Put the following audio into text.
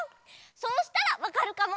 そうしたらわかるかも。